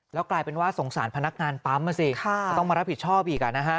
แล้วกลายเป็นว่าสงสารพนักงานปั๊มอ่ะสิก็ต้องมารับผิดชอบอีก